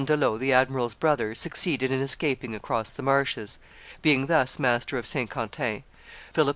] D'Andelot, the admiral's brother, succeeded in escaping across the marshes. Being thus master of Saint Quentin, Philip II.